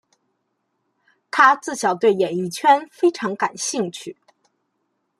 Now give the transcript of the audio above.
她自小对演艺圈非常感兴趣。